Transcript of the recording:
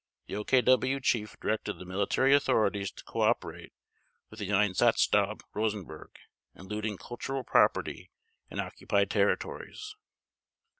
The OKW Chief directed the military authorities to cooperate with the Einsatzstab Rosenberg in looting cultural property in occupied territories.